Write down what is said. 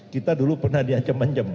kita dulu pernah di acem acem